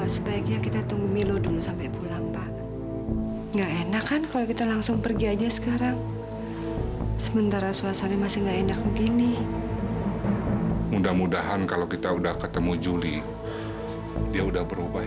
sampai jumpa di video selanjutnya